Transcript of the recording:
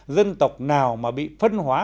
dân tộc nào mà bị phân hóa